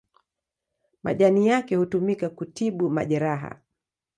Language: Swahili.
Majani yake hutumika kutibu majeraha.